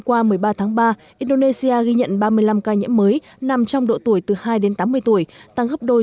qua indonesia ghi nhận ba mươi năm ca nhiễm mới nằm trong độ tuổi từ hai đến tám mươi tuổi tăng gấp đôi